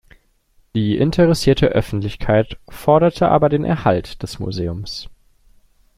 Die interessierte Öffentlichkeit forderte aber den Erhalt des Museums.